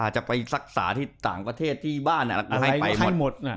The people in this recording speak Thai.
จะไปศักดิ์ศาสตร์ที่ศาลประเทศที่บ้านอะไรก็ให้ไปหมด